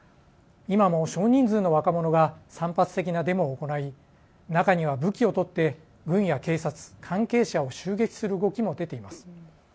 今も少人数の若者が散発的なデモを行い中には武器を取って軍や警察、関係者を襲撃する動きも出ています。